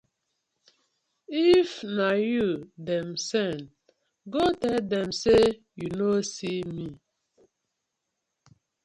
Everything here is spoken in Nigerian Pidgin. If na yu dem sen, go tell dem say yu no see me.